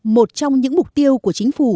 một trong những mục tiêu của chính phủ